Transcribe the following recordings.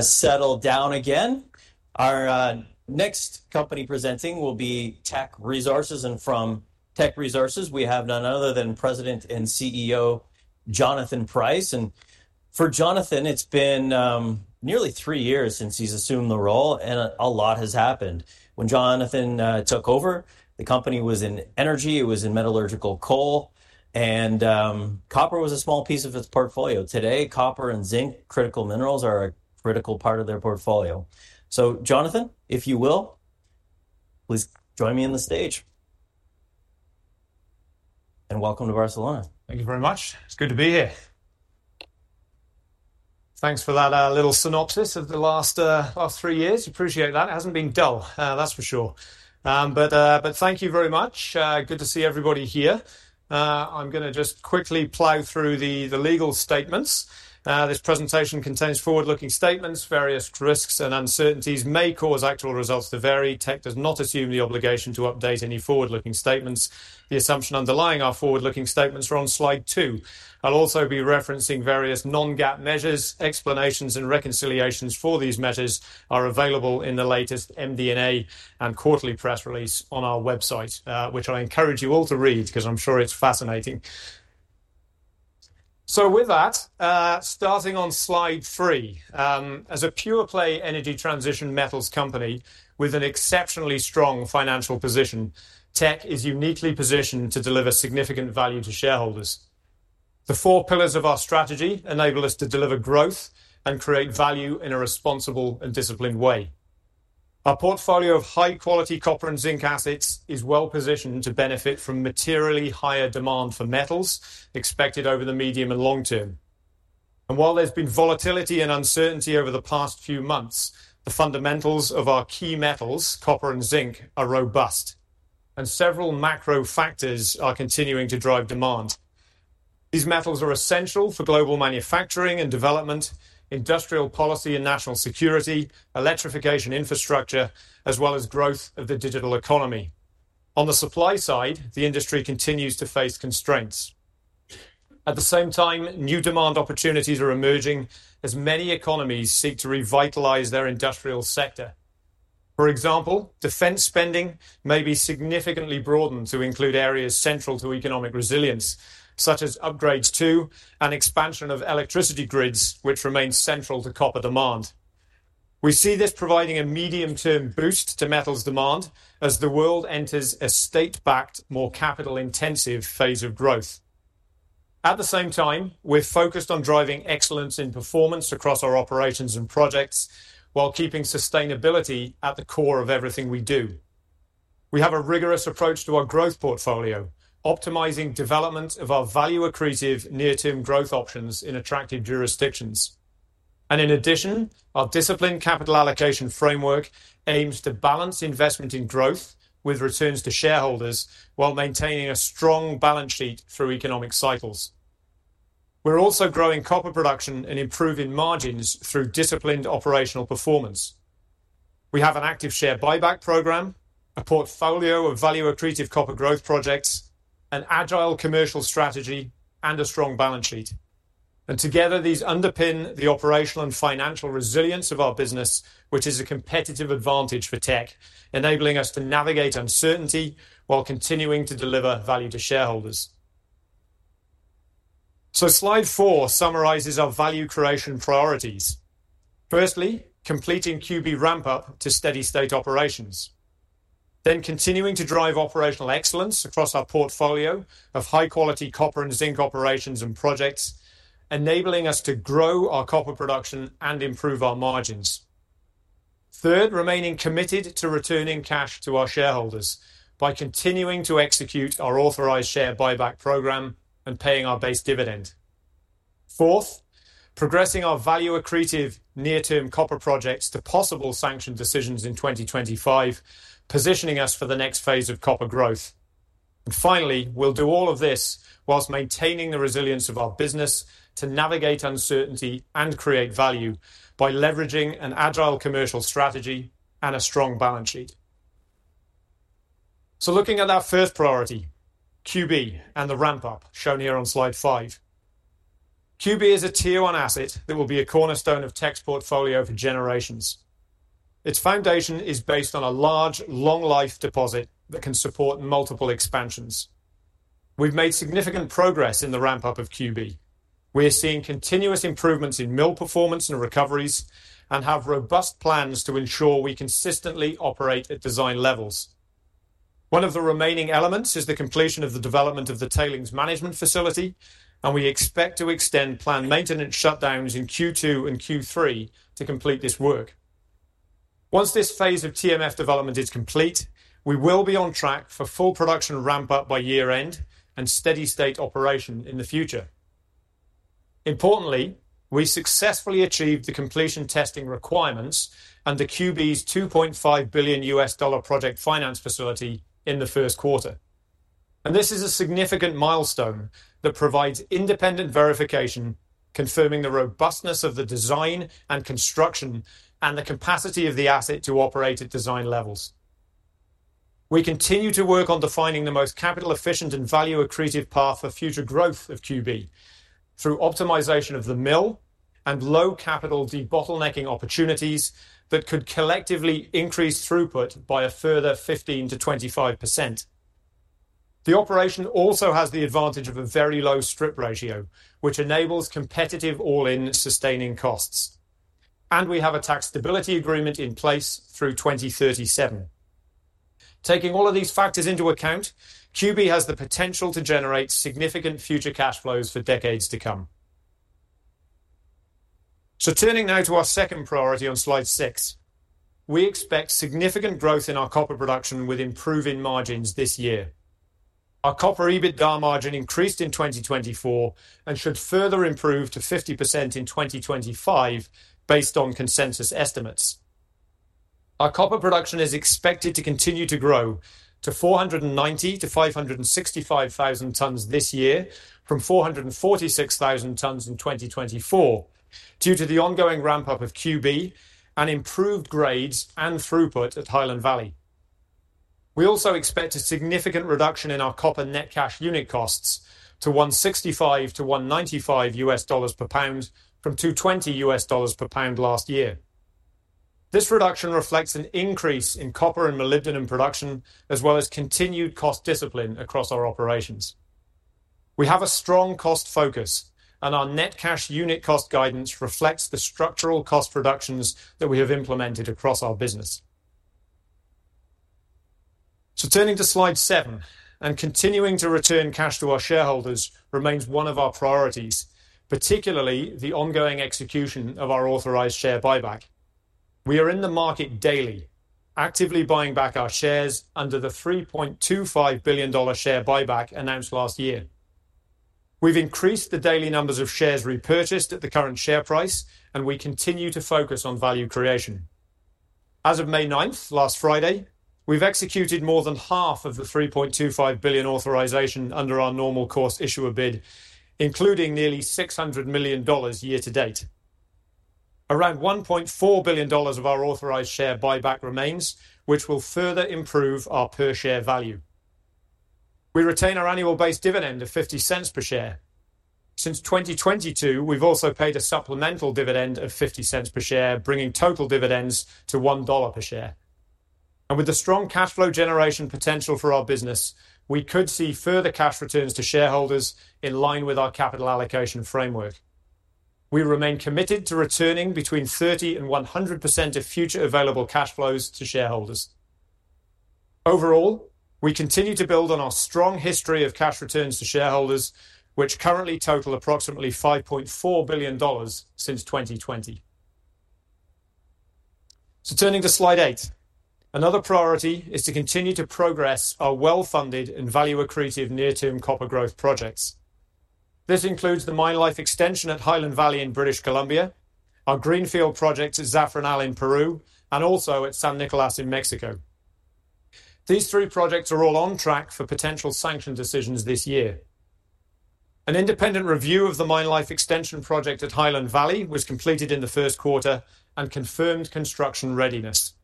Settle down again. Our next company presenting will be Teck Resources. From Teck Resources, we have none other than President and CEO Jonathan Price. For Jonathan, it's been nearly three years since he's assumed the role, and a lot has happened. When Jonathan took over, the company was in energy. It was in metallurgical coal, and copper was a small piece of his portfolio. Today, copper and zinc, critical minerals, are a critical part of their portfolio. Jonathan, if you will, please join me on the stage. Welcome to Barcelona. Thank you very much. It's good to be here. Thanks for that little synopsis of the last 3 years. Appreciate that. It hasn't been dull, that's for sure. Thank you very much. Good to see everybody here. I'm going to just quickly plow through the legal statements. This presentation contains forward-looking statements. Various risks and uncertainties may cause actual results to vary. Teck does not assume the obligation to update any forward-looking statements. The assumption underlying our forward-looking statements are on slide two. I'll also be referencing various non-GAAP measures. Explanations and reconciliations for these measures are available in the latest MD&A and quarterly press release on our website, which I encourage you all to read because I'm sure it's fascinating. With that, starting on slide three, as a pure-play energy transition metals company with an exceptionally strong financial position, Teck is uniquely positioned to deliver significant value to shareholders. The four pillars of our strategy enable us to deliver growth and create value in a responsible and disciplined way. Our portfolio of high-quality copper and zinc assets is well positioned to benefit from materially higher demand for metals expected over the medium and long term. While there has been volatility and uncertainty over the past few months, the fundamentals of our key metals, copper and zinc, are robust, and several macro factors are continuing to drive demand. These metals are essential for global manufacturing and development, industrial policy and national security, electrification infrastructure, as well as growth of the digital economy. On the supply side, the industry continues to face constraints. At the same time, new demand opportunities are emerging as many economies seek to revitalize their industrial sector. For example, defense spending may be significantly broadened to include areas central to economic resilience, such as upgrades to and expansion of electricity grids, which remain central to copper demand. We see this providing a medium-term boost to metals demand as the world enters a state-backed, more capital-intensive phase of growth. At the same time, we're focused on driving excellence in performance across our operations and projects while keeping sustainability at the core of everything we do. We have a rigorous approach to our growth portfolio, optimizing development of our value-accretive near-term growth options in attractive jurisdictions. In addition, our disciplined capital allocation framework aims to balance investment in growth with returns to shareholders while maintaining a strong balance sheet through economic cycles. We're also growing copper production and improving margins through disciplined operational performance. We have an active share buyback program, a portfolio of value-accretive copper growth projects, an agile commercial strategy, and a strong balance sheet. Together, these underpin the operational and financial resilience of our business, which is a competitive advantage for Teck, enabling us to navigate uncertainty while continuing to deliver value to shareholders. Slide four summarizes our value creation priorities. Firstly, completing QB ramp-up to steady-state operations. Then continuing to drive operational excellence across our portfolio of high-quality copper and zinc operations and projects, enabling us to grow our copper production and improve our margins. Third, remaining committed to returning cash to our shareholders by continuing to execute our authorized share buyback program and paying our base dividend. Fourth, progressing our value-accretive near-term copper projects to possible sanctioned decisions in 2025, positioning us for the next phase of copper growth. Finally, we'll do all of this whilst maintaining the resilience of our business to navigate uncertainty and create value by leveraging an agile commercial strategy and a strong balance sheet. Looking at our first priority, QB and the ramp-up shown here on slide five. QB is a tier-one asset that will be a cornerstone of Teck's portfolio for generations. Its foundation is based on a large, long-life deposit that can support multiple expansions. We've made significant progress in the ramp-up of QB. We're seeing continuous improvements in mill performance and recoveries and have robust plans to ensure we consistently operate at design levels. One of the remaining elements is the completion of the development of the tailings management facility, and we expect to extend planned maintenance shutdowns in Q2 and Q3 to complete this work. Once this phase of TMF development is complete, we will be on track for full production ramp-up by year-end and steady-state operation in the future. Importantly, we successfully achieved the completion testing requirements and the QB's $2.5 billion project finance facility in the first quarter. This is a significant milestone that provides independent verification confirming the robustness of the design and construction and the capacity of the asset to operate at design levels. We continue to work on defining the most capital-efficient and value-accretive path for future growth of QB through optimization of the mill and low-capital debottlenecking opportunities that could collectively increase throughput by a further 15%-25%. The operation also has the advantage of a very low strip ratio, which enables competitive all-in sustaining costs. We have a tax stability agreement in place through 2037. Taking all of these factors into account, QB has the potential to generate significant future cash flows for decades to come. Turning now to our second priority on slide six, we expect significant growth in our copper production with improving margins this year. Our copper EBITDA margin increased in 2024 and should further improve to 50% in 2025 based on consensus estimates. Our copper production is expected to continue to grow to 490,000-565,000 tons this year from 446,000 tons in 2024 due to the ongoing ramp-up of QB and improved grades and throughput at Highland Valley. We also expect a significant reduction in our copper net cash unit costs to $1.65-$1.95 per pound from $2.20 per pound last year. This reduction reflects an increase in copper and molybdenum production as well as continued cost discipline across our operations. We have a strong cost focus, and our net cash unit cost guidance reflects the structural cost reductions that we have implemented across our business. Turning to slide seven, continuing to return cash to our shareholders remains one of our priorities, particularly the ongoing execution of our authorized share buyback. We are in the market daily, actively buying back our shares under the $3.25 billion share buyback announced last year. We've increased the daily numbers of shares repurchased at the current share price, and we continue to focus on value creation. As of May 9th, last Friday, we've executed more than 0.5 of the $3.25 billion authorization under our normal course issuer bid, including nearly $600 million year-to-date. Around $1.4 billion of our authorized share buyback remains, which will further improve our per-share value. We retain our annual base dividend of $0.50 per share. Since 2022, we've also paid a supplemental dividend of $0.50 per share, bringing total dividends to $1 per share. With the strong cash flow generation potential for our business, we could see further cash returns to shareholders in line with our capital allocation framework. We remain committed to returning between 30% and 100% of future available cash flows to shareholders. Overall, we continue to build on our strong history of cash returns to shareholders, which currently total approximately $5.4 billion since 2020. Turning to slide eight, another priority is to continue to progress our well-funded and value-accretive near-term copper growth projects. This includes the Mine Life Extension at Highland Valley in British Columbia, our greenfield project at Zafranal in Peru, and also at San Nicolás in Mexico. These three projects are all on track for potential sanction decisions this year. An independent review of the Mine Life Extension project at Highland Valley was completed in the first quarter and confirmed construction readiness.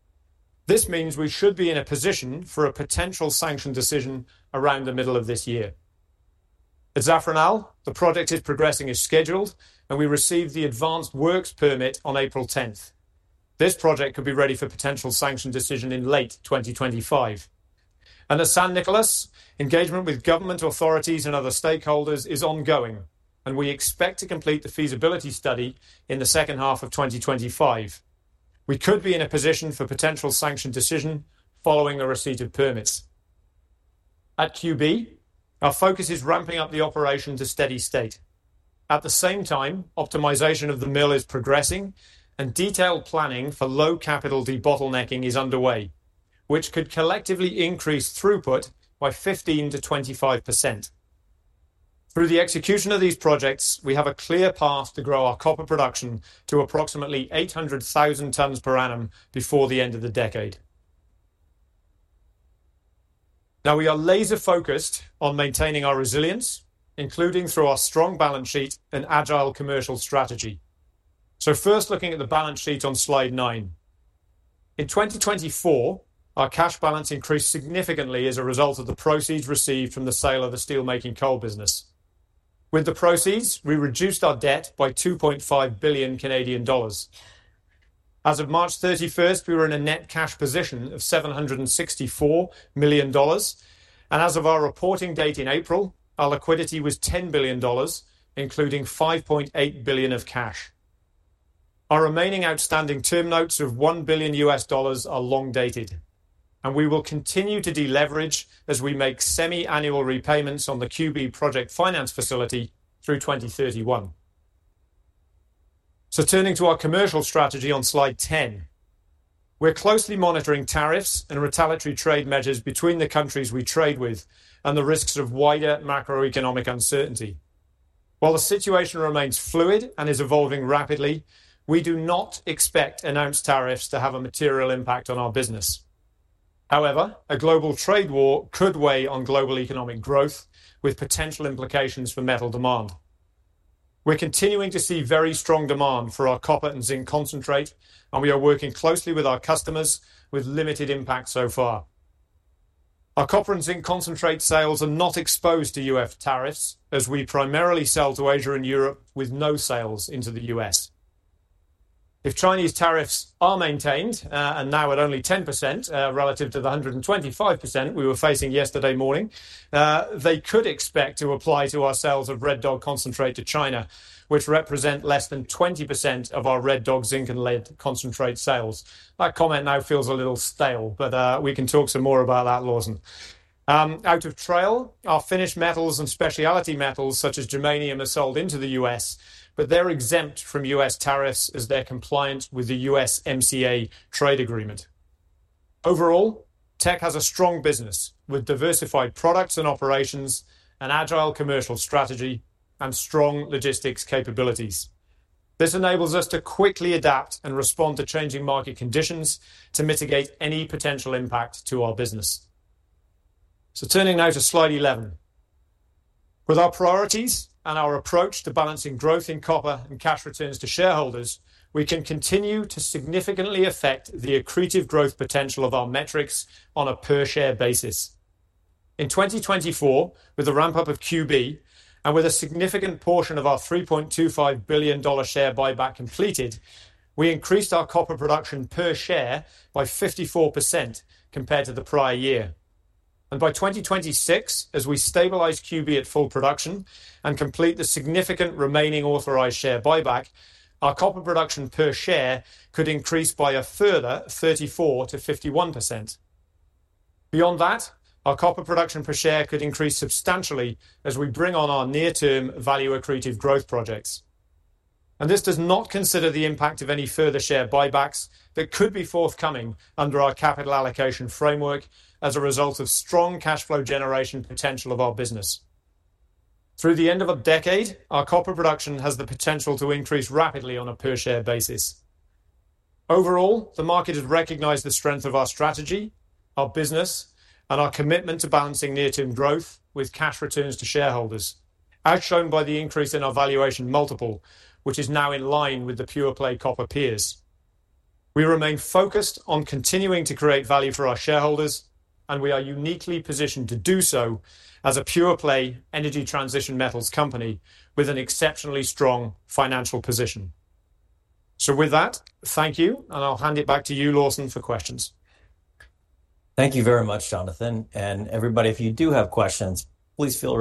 This means we should be in a position for a potential sanction decision around the middle of this year. At Zafranal, the project is progressing as scheduled, and we received the advanced works permit on April 10. This project could be ready for potential sanction decision in late 2025. At San Nicolás, engagement with government authorities and other stakeholders is ongoing, and we expect to complete the feasibility study in the second half of 2025. We could be in a position for potential sanction decision following a receipt of permits. At QB, our focus is ramping up the operation to steady-state. At the same time, optimization of the mill is progressing, and detailed planning for low-capital debottlenecking is underway, which could collectively increase throughput by 15%-25%. Through the execution of these projects, we have a clear path to grow our copper production to approximately 800,000 tons per annum before the end of the decade. Now, we are laser-focused on maintaining our resilience, including through our strong balance sheet and agile commercial strategy. First, looking at the balance sheet on slide nine. In 2024, our cash balance increased significantly as a result of the proceeds received from the sale of the steelmaking coal business. With the proceeds, we reduced our debt by 2.5 billion Canadian dollars. As of March 31st, we were in a net cash position of $764 million. As of our reporting date in April, our liquidity was $10 billion, including $5.8 billion of cash. Our remaining outstanding term notes of $1 billion are long-dated, and we will continue to deleverage as we make semi-annual repayments on the QB project finance facility through 2031. Turning to our commercial strategy on slide ten, we are closely monitoring tariffs and retaliatory trade measures between the countries we trade with and the risks of wider macroeconomic uncertainty. While the situation remains fluid and is evolving rapidly, we do not expect announced tariffs to have a material impact on our business. However, a global trade war could weigh on global economic growth with potential implications for metal demand. We're continuing to see very strong demand for our copper and zinc concentrate, and we are working closely with our customers with limited impact so far. Our copper and zinc concentrate sales are not exposed to U.S. tariffs, as we primarily sell to Asia and Europe with no sales into the U.S. If Chinese tariffs are maintained, and now at only 10% relative to the 125% we were facing yesterday morning, they could expect to apply to our sales of Red Dog concentrate to China, which represent less than 20% of our Red Dog zinc and lead concentrate sales. That comment now feels a little stale, but we can talk some more about that, Lawson. Out of Trail, our finished metals and specialty metals such as germanium are sold into the U.S., but they're exempt from U.S. tariffs as they're compliant with the USMCA trade agreement. Overall, Teck has a strong business with diversified products and operations, an agile commercial strategy, and strong logistics capabilities. This enables us to quickly adapt and respond to changing market conditions to mitigate any potential impact to our business. Turning now to slide 11. With our priorities and our approach to balancing growth in copper and cash returns to shareholders, we can continue to significantly affect the accretive growth potential of our metrics on a per-share basis. In 2024, with the ramp-up of QB and with a significant portion of our $3.25 billion share buyback completed, we increased our copper production per share by 54% compared to the prior year. By 2026, as we stabilize QB at full production and complete the significant remaining authorized share buyback, our copper production per share could increase by a further 34%-51%. Beyond that, our copper production per share could increase substantially as we bring on our near-term value-accretive growth projects. This does not consider the impact of any further share buybacks that could be forthcoming under our capital allocation framework as a result of strong cash flow generation potential of our business. Through the end of the decade, our copper production has the potential to increase rapidly on a per-share basis. Overall, the market has recognized the strength of our strategy, our business, and our commitment to balancing near-term growth with cash returns to shareholders, as shown by the increase in our valuation multiple, which is now in line with the pure play copper peers. We remain focused on continuing to create value for our shareholders, and we are uniquely positioned to do so as a pure play energy transition metals company with an exceptionally strong financial position. With that, thank you, and I'll hand it back to you, Lawson, for questions. Thank you very much, Jonathan. Everybody, if you do have questions, please feel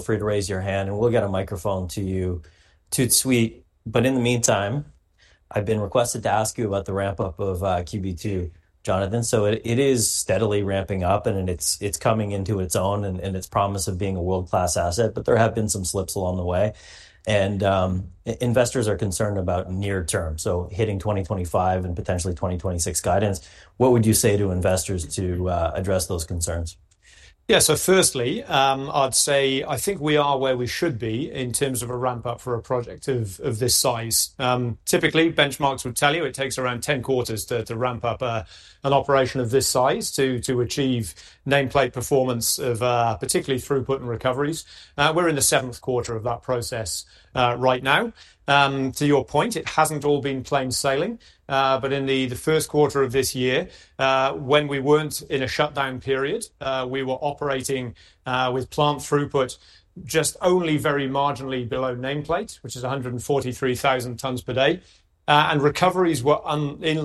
free to raise your hand, and we'll get a microphone to you, tout de suite. In the meantime, I've been requested to ask you about the ramp-up of QB2, Jonathan. It is steadily ramping up, and it's coming into its own and its promise of being a world-class asset, but there have been some slips along the way. Investors are concerned about near-term, hitting 2025 and potentially 2026 guidance. What would you say to investors to address those concerns? Yeah, so firstly, I'd say I think we are where we should be in terms of a ramp-up for a project of this size. Typically, benchmarks would tell you it takes around 10 quarters to ramp up an operation of this size to achieve nameplate performance of particularly throughput and recoveries. We're in the seventh quarter of that process right now. To your point, it hasn't all been plain sailing, but in the first quarter of this year, when we weren't in a shutdown period, we were operating with plant throughput just only very marginally below nameplate, which is 143,000 tons per day. Recoveries were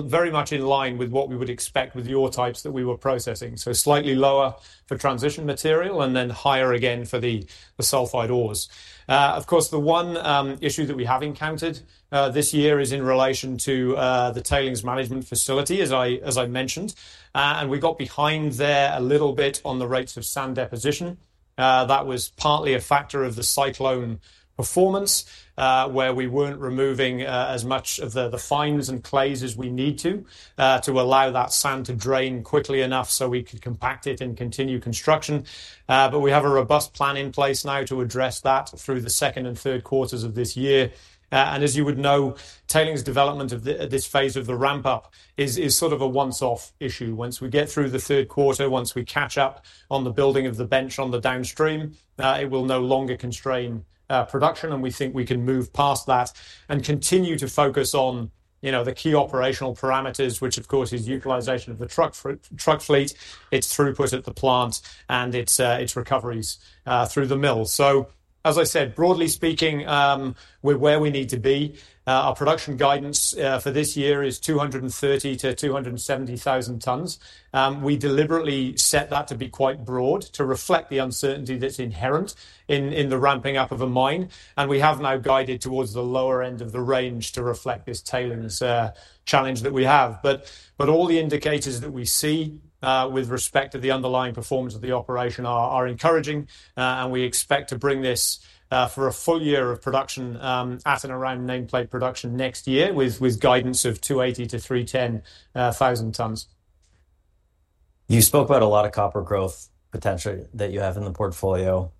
very much in line with what we would expect with the ore types that we were processing. Slightly lower for transition material and then higher again for the sulfide ores. Of course, the one issue that we have encountered this year is in relation to the tailings management facility, as I mentioned. We got behind there a little bit on the rates of sand deposition. That was partly a factor of the cyclone performance, where we were not removing as much of the fines and clays as we need to to allow that sand to drain quickly enough so we could compact it and continue construction. We have a robust plan in place now to address that through the second and third quarters of this year. As you would know, tailings development of this phase of the ramp-up is sort of a once-off issue. Once we get through the third quarter, once we catch up on the building of the bench on the downstream, it will no longer constrain production. We think we can move past that and continue to focus on the key operational parameters, which, of course, is utilization of the truck fleet, its throughput at the plant, and its recoveries through the mill. As I said, broadly speaking, we're where we need to be. Our production guidance for this year is 230,000-270,000 tons. We deliberately set that to be quite broad to reflect the uncertainty that's inherent in the ramping up of a mine. We have now guided towards the lower end of the range to reflect this tailings challenge that we have. All the indicators that we see with respect to the underlying performance of the operation are encouraging, and we expect to bring this for a full year of production at and around nameplate production next year with guidance of 280,000-310,000 tons. You spoke about a lot of copper growth potential that you have in the portfolio,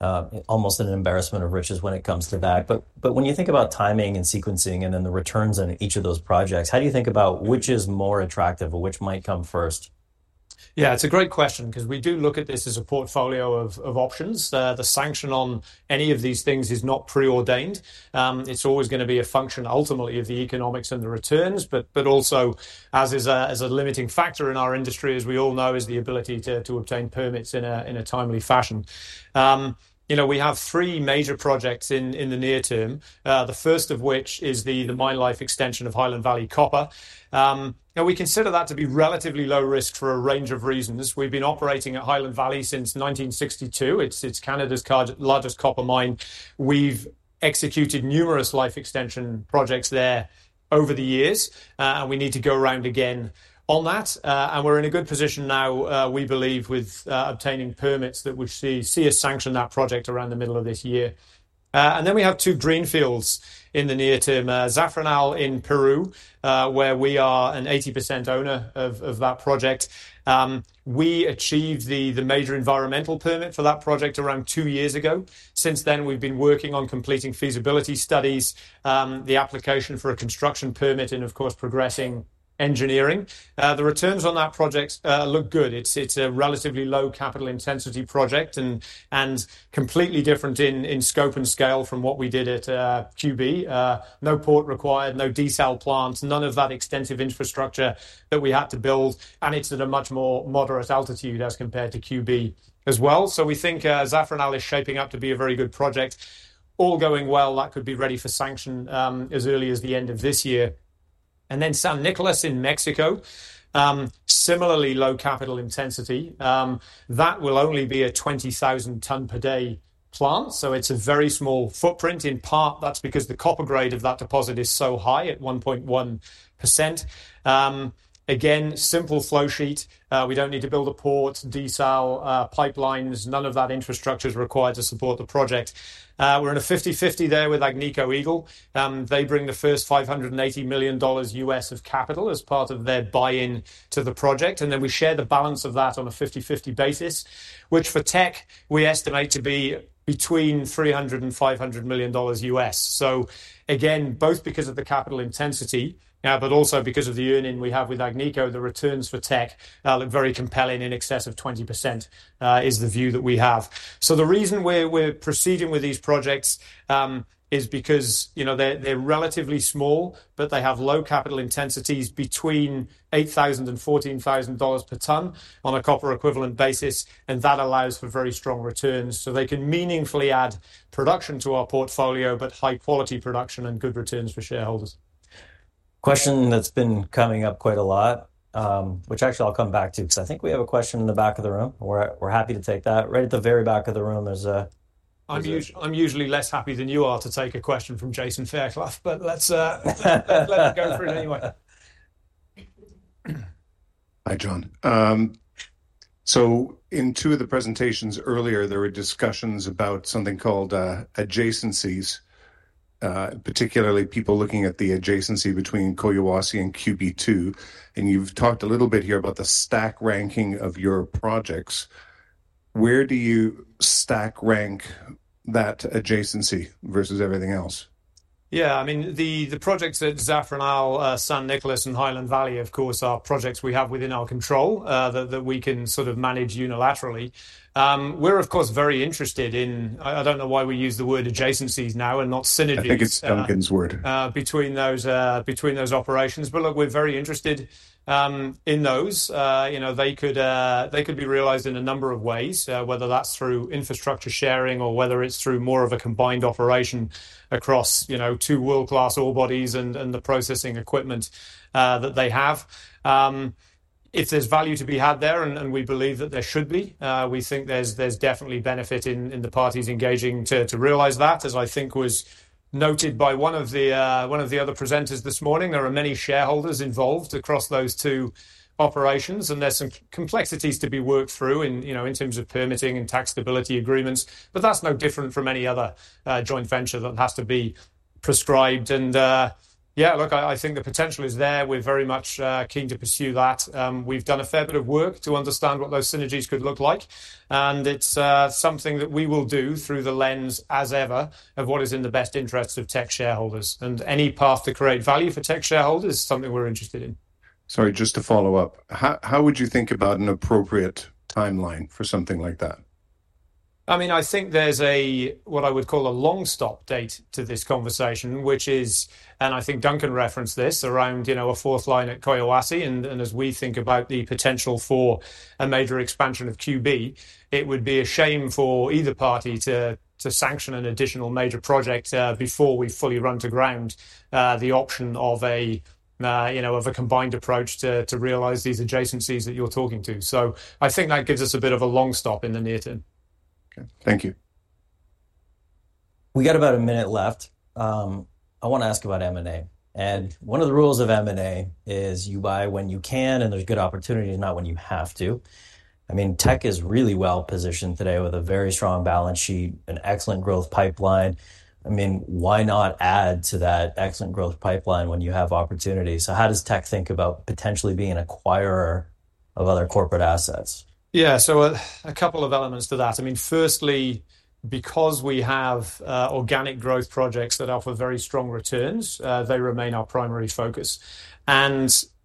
almost an embarrassment of riches when it comes to that. When you think about timing and sequencing and then the returns on each of those projects, how do you think about which is more attractive or which might come first? Yeah, it's a great question because we do look at this as a portfolio of options. The sanction on any of these things is not preordained. It's always going to be a function ultimately of the economics and the returns, but also as a limiting factor in our industry, as we all know, is the ability to obtain permits in a timely fashion. We have three major projects in the near term, the first of which is the Mine Life Extension of Highland Valley Copper. Now, we consider that to be relatively low risk for a range of reasons. We've been operating at Highland Valley since 1962. It's Canada's largest copper mine. We've executed numerous life extension projects there over the years, and we need to go around again on that. We're in a good position now, we believe, with obtaining permits that we see sanction that project around the middle of this year. We have two greenfields in the near term, Zafranal in Peru, where we are an 80% owner of that project. We achieved the major environmental permit for that project around two years ago. Since then, we've been working on completing feasibility studies, the application for a construction permit, and of course, progressing engineering. The returns on that project look good. It's a relatively low capital intensity project and completely different in scope and scale from what we did at QB. No port required, no desal plants, none of that extensive infrastructure that we had to build. It's at a much more moderate altitude as compared to QB as well. We think Zafranal is shaping up to be a very good project. All going well, that could be ready for sanction as early as the end of this year. San Nicolás in Mexico, similarly low capital intensity. That will only be a 20,000-ton-per-day plant. It's a very small footprint. In part, that's because the copper grade of that deposit is so high at 1.1%. Again, simple flow sheet. We don't need to build a port, desal pipelines. None of that infrastructure is required to support the project. We're in a 50/50 there with Agnico Eagle. They bring the first $580 million U.S. of capital as part of their buy-in to the project. Then we share the balance of that on a 50/50 basis, which for Teck, we estimate to be between $300 million and $500 million U.S. Again, both because of the capital intensity, but also because of the earning we have with Agnico, the returns for Teck look very compelling in excess of 20% is the view that we have. The reason we're proceeding with these projects is because they're relatively small, but they have low capital intensities between $8,000 and $14,000 per ton on a copper equivalent basis. That allows for very strong returns. They can meaningfully add production to our portfolio, but high-quality production and good returns for shareholders. Question that's been coming up quite a lot, which actually I'll come back to because I think we have a question in the back of the room. We're happy to take that. Right at the very back of the room, there's a question. I'm usually less happy than you are to take a question from Jason Fairclough, but let's go through it anyway. Hi, Jon. So in two of the presentations earlier, there were discussions about something called adjacencies, particularly people looking at the adjacency between Collahuasi and QB2. And you've talked a little bit here about the stack ranking of your projects. Where do you stack rank that adjacency versus everything else? Yeah, I mean, the projects at Zafranal, San Nicolás, and Highland Valley, of course, are projects we have within our control that we can sort of manage unilaterally. We're, of course, very interested in, I don't know why we use the word adjacencies now and not synergy. I think it's Duncan's word. Between those operations. Look, we're very interested in those. They could be realized in a number of ways, whether that's through infrastructure sharing or whether it's through more of a combined operation across two world-class ore bodies and the processing equipment that they have. If there's value to be had there, and we believe that there should be, we think there's definitely benefit in the parties engaging to realize that, as I think was noted by one of the other presenters this morning. There are many shareholders involved across those two operations, and there's some complexities to be worked through in terms of permitting and taxability agreements. That's no different from any other joint venture that has to be prescribed. Yeah, look, I think the potential is there. We're very much keen to pursue that. We've done a fair bit of work to understand what those synergies could look like. It's something that we will do through the lens, as ever, of what is in the best interests of Teck shareholders. Any path to create value for Teck shareholders is something we're interested in. Sorry, just to follow up, how would you think about an appropriate timeline for something like that? I mean, I think there's a, what I would call a long stop date to this conversation, which is, and I think Duncan referenced this around a fourth line at Collahuasi. As we think about the potential for a major expansion of QB, it would be a shame for either party to sanction an additional major project before we fully run to ground the option of a combined approach to realize these adjacencies that you are talking to. I think that gives us a bit of a long stop in the near term. Okay, thank you. We have about a minute left. I want to ask about M&A. One of the rules of M&A is you buy when you can, and there are good opportunities, not when you have to. I mean, Teck is really well positioned today with a very strong balance sheet, an excellent growth pipeline. I mean, why not add to that excellent growth pipeline when you have opportunity? How does Teck think about potentially being an acquirer of other corporate assets? Yeah, so a couple of elements to that. I mean, firstly, because we have organic growth projects that offer very strong returns, they remain our primary focus.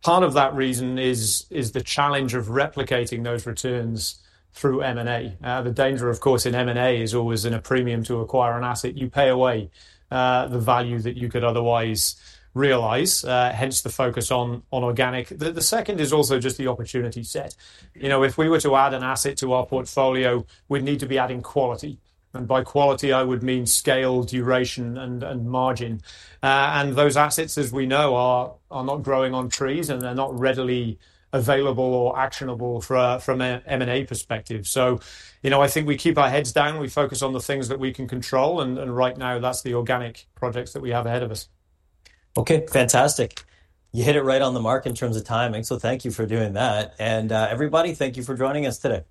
Part of that reason is the challenge of replicating those returns through M&A. The danger, of course, in M&A is always in a premium to acquire an asset. You pay away the value that you could otherwise realize, hence the focus on organic. The second is also just the opportunity set. If we were to add an asset to our portfolio, we'd need to be adding quality. By quality, I would mean scale, duration, and margin. Those assets, as we know, are not growing on trees, and they're not readily available or actionable from an M&A perspective. I think we keep our heads down. We focus on the things that we can control. Right now, that's the organic projects that we have ahead of us. Okay, fantastic. You hit it right on the mark in terms of timing. Thank you for doing that. Everybody, thank you for joining us today.